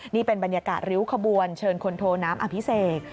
นี่เป็นบรรยากาศริ้วขบวนเชิญคนโทน้ำอภิเษก